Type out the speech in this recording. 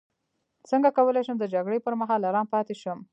څنګه کولی شم د جګړې پر مهال ارام پاتې شم